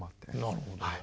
なるほどね。